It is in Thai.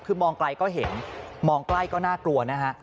คือมองไกลก็เห็นมองใกล้ก็น่ากลัวนะฮะ